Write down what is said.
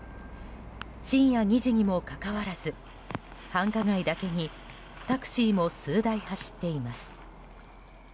深夜２時にもかかわらず繁華街だけにタクシーも数台走っています。